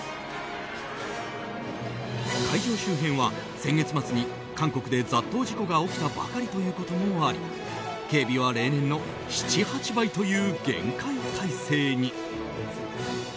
会場周辺は、先月末に韓国で雑踏事故が起きたばかりということもあり警備は例年の７８倍という厳戒態勢に。